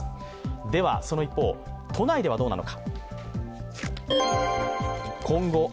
では、その一方都内ではどうなのか。